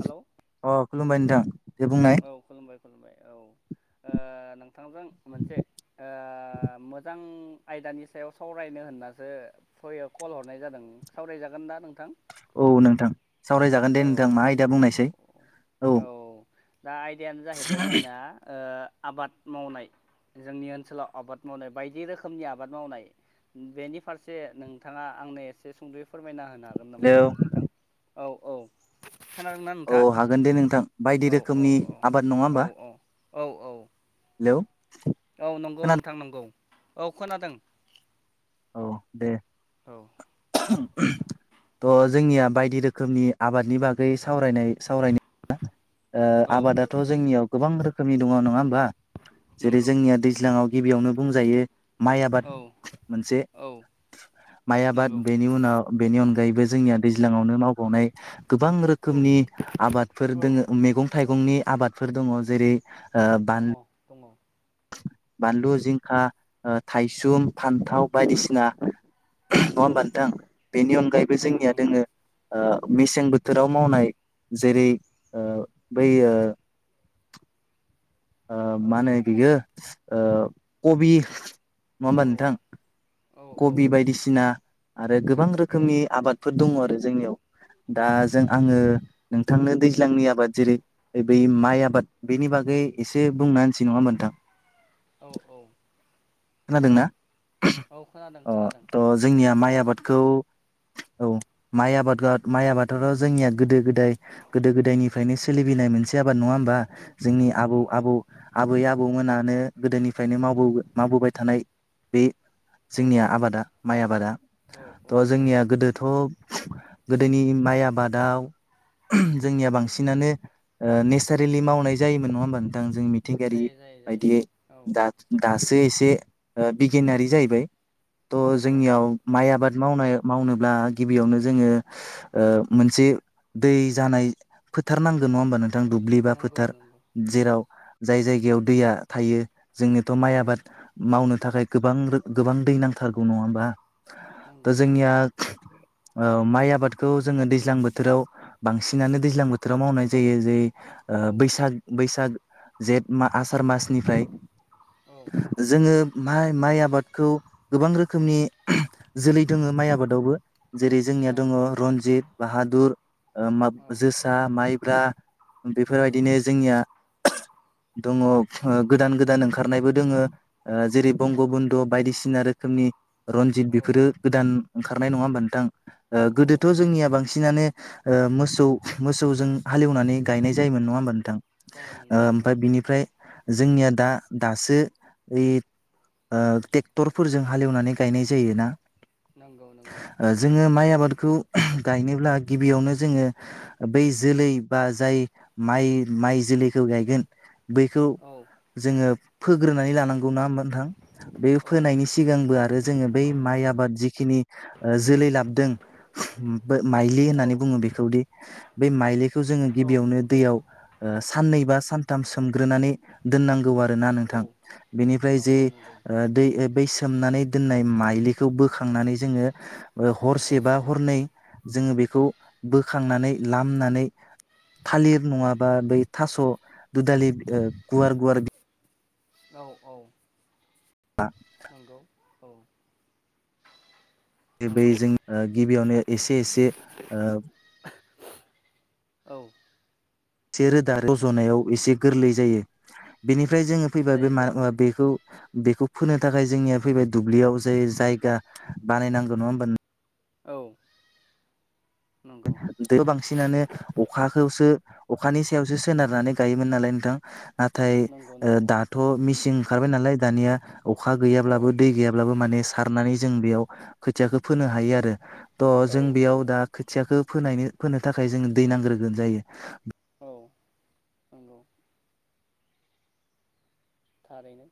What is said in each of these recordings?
Hello अ खुलुमबाय नोंथां दे बुंनाय। औ खुलुमबाय खुलुमबाय औ ओ नोंथांजों मोनसे ओ मोजां आयदानि सायाव सावरायनो होननासो फय ओ कल हरनाय जादों सावरायजागोन दा नोंथां? औ नोंथां सावरायजागोन औ दे नोंथां औ मा औ आयदा औ बुंनायसाय औ दा आयदायानो जाहैबाय जोंना ओ आबाद मावनाय। जोंनि ओनसोलाव आबाद मावनाय बायदि रोखोमनि आबाद मावनाय बेनि फारसे नोंथाङा आंनो एसे सुंद'यै फोरमायना होनो हागोन नामा हेलौ नोंथां? औ औ खोनादोंना औ हागोन दे नोंथां बायदि नोंथाङा औ औ रोखोमनि औ आबाद नङा होमबा औ औ औ औ हेलौ औ नंगौ खोनादों नोंथां नंगौ औ खोनादों। औ दे। औ थ' जोंनिया बायदि रोखोमनि आबादनि बागै सावरायनाय सावरायनि ओ औ आबादाथ' जोंनियाव गोबां रोखोमनि दङ नङा ओमबा जेरै नंगौ जोंनिया दैज्लांआव गिबियावनो बुंजायो माइ आबाद औ मोनसे औ माइ आबाद नंगौ बेनि उनाव बेनि अनगायैबो जोंनिया दैज्लांआवनो मावबावनाय गोबां औ रोखोमनि आबादफोर औ दोङो। मेगं थाइगंनि आबादफोर दङ जेरै ओ दङ बानलु दङ। बानलु जिंखा ओ थाइसुम फान्थाव बायदिसिना नङा ओमबा औ नोंथां बेनि अनगायैबो नंगौ जोंनिया नंगौ दोङो ओ मेसें बोथोराव मावनाय जेरै ओ बै ओ ओ औ मा होनो बियो ओ कबि नङा औ ओमबा नोंथां? औ औ कबि बायदिसिना आरो गोबां औ रोखोमनि आबादफोर दङ आरो जोंनियाव। दा दङ जों दङ दङ आङो नोंथांनो दैज्लांनि आबाद जेरै बै माइ आबाद बेनि बागै एसे बुंना होनोसै नङा औ होमबा नोंथां, औ औ औ खोनादोंना? औ खोनादों। ओ खोनादों थ' जोंनिया माइ आबादखौ औ माइ आबाद माइ आबादआथ' जोंनिया गोदो गोदाय गोदो गोदायनिफ्रायनो सोलिबोनाय मोनसे आबाद नङा होमबा जोंनि आबौ नंगौ आबौ आबै आबौमोनानो गोदोनिफ्रायनो मावबो मावबोबाय थानाय बे औ जोंनिया आबादा माइ आबादा। औ औ थ' औ जोंनिया गोदोथ' गोदोनि माइ आबादाव जोंनिया बांसिनानो ओ नेचारेलि मावनाय जायोमोन नङा होमबा नोंथां जों मि थिंगायारि जायो जायो बायदियै जायो औ दा दासो एसे ओ बिगियानारि जाहैबाय। थ' औ औ जोंनियाव माइ आबाद मावनायाव मावनोब्ला गिबियावनो जोङो ओ मोनसे दै जानाय फोथार नांगोन नङा होमबा नों थां दुब्लि बा नंगौ फोथार नंगौ औ जेराव जाय जायगायाव दैया थायो जोंनियाथ' माइ औ आबाद मावनो थाखाय गोबां रो गोबां दै नांथारगौ नङा होमबा? दा नंगौ जोंनिया ओ माइ आबादखौ जोङो दैज्लां बोथोराव बांसिनानो दैज्लां बोथोराव मावनाय जायो जेरै औ ओ बैसाग बैसाग जेठ मा आसार मासनिफ्राय। औ। जोङो माइ माइ आबाद खौ गोबां रोखोमनि जोलै दङो माइ आबादावबो। जेरै औ जोंनिया दङ रन्जित बाहादुर ओ मा औ जोसा माइब्रा। बेफोरबायदिनो जोंनिया दङ ओ गोदान गोदान ओंखारनायबो दोङो जेरै बंग बन दु बायदिसिना रोखोमनि रनजित औ बेफोरो गोदान ओंखारनाय नङा होमबा नोंथां? ओ औ गोदोथ' औ जोंनिया बांसिनानो ओ मोसौ मोसौजों हालेवनानै गायनाय जायोमोन नङा होमबा नोंथां? ओ जायोमोन जायोमोन ओमफ्राय बिनिफ्राय जोंनिया दा दासो ओइ ओ ट्रेक्टरफोरजों हालेवनानै गायनाय जायो ना? नंगौ नों ओ जोङो माइ आबादखौ गायनोब्ला गिबियावनो जोङो बै जोलै बा जाय माइ माइ जोलैखौ गायगोन बैखौ औ जोङो फोग्रोनानै लानांगौ ना होमबा नोंथां? बे औ फोनायनि सिगांबो आरो जोङो बै माइ आबाद जिखिनि ओ जोलै लाबोदों बे माइलि औ होननानै बुङो बेखौदि बै माइलिखौ जोङो औ गिबियावनो नंगौ दैयाव ओ साननै बा सानथाम सोमग्रोनानै दोननांगौ आरोना औ नोंथां, बेनिफ्राय जे नंगौ नंगौ दै बै सोमनानै दोननाय माइलिखौ बोखांनानै जोङो ओ हरसे औ बा हरनै जोङो बेखौ बोखांनानै लामनानै थालिर नङाबा बै थास' दुदालि ओ गुवार गुवार औ औ। [unintelligible] नंगौ औ बै नंगौ जों ओ गिबियावनो एसे एसे ओ औ। से रोदा रज'नायाव एसे गोरलै जायो बेनिफ्राय जोङो फैबा जायो बेमा जायो बेखौ बेखौ फोनो थाखाय जोंनिया फैबाय दुब्लियाव जे जायगा बानायनांगो नङा होमबा नो औ नंगौ दैखौ बांसिनानो अखाखौसो अखानि सायावसो सोनारनानै गायोमोन नालाय नोंथां नाथाय नंगौ ओ नंगौ दाथ' मिसिं ओंखारबाय नालाय दानिया अखा औ गैयाब्लाबो दै गैयाब्लाबो माने सारनानै जों बेयाव खोथियाखो फोनो हायो आरो थ' औ जों औ बेयाव दा खोथियाखो फोनायनो फोनो थाखाय जोंङो दै नांग्रोगोन जायो औ नंगौ थारैनो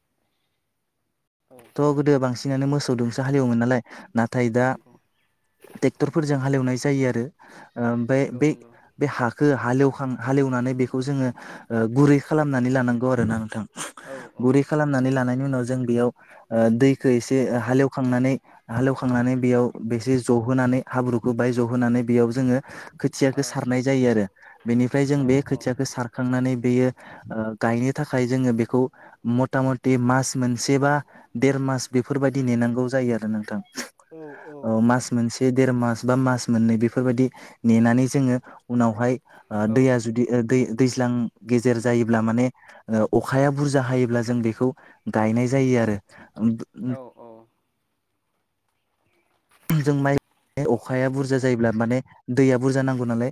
औ थ' गोदो बांसिनानो मोसौ दोंसो हालेवोमोन नालाय नाथाय दा नंगौ ट्रेक्टरफोरजों हालेवनाय जायो आरो ओम बे नंगौ बे नंगौ बे हाखो हालेवखां हालेवनानै बेखौ जोङो ओ गुरै खालामनानै लानांगौ आरो ना नोंथां औ औ गुरै खालामनानै लानायनि उनाव जों बेयाव ओ दैखो एसे हालेवखांनानै हालेवखांनानै बेयाव बेसे जहोनानै हाब्रुखो बाहाय जहोनानै बेयाव जोङो खोथ ओ औ खोथियाखो सारनाय जायो आरो बेनिफ्राय जों औ बे खोथियाखो सारखांनानै बेयो ओ गायनो थाखाय जोङो बेखौ मथा मथि मास मोनसेबा देर मास बेफोरबायदि नेनांगौ जायो आरो नोंथां औ औ औ मास मोनसे देर मास बा मास मोननै बेफोरबायदि नेनानै जोङो उनावहाय ओ औ दैया जुदि ओ दै दैज्लां गेजेर जायोब्ला माने ओ अखाया बुजा हायोब्ला जों बेखौ गायनाय जायो आरो उम उम औ औ जों माइ अखाया बुरजा जायोब्ला माने दैया बुरजा नांगौ नालाय